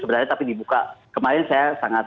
sebenarnya tapi dibuka kemarin saya sangat